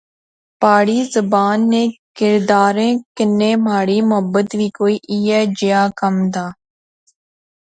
پہاڑی زبان نے کرداریں کنے مہاڑی محبت وی کوئی ایہے جیا کم دا